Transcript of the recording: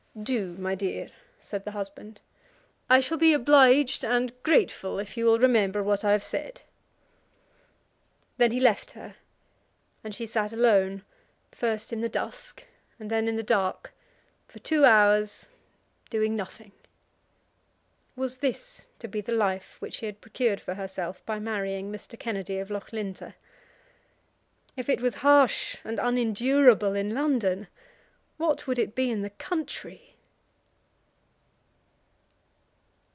"Do, my dear," said the husband. "I shall be obliged and grateful if you will remember what I have said." Then he left her, and she sat alone, first in the dusk and then in the dark, for two hours, doing nothing. Was this to be the life which she had procured for herself by marrying Mr. Kennedy of Loughlinter? If it was harsh and unendurable in London, what would it be in the country?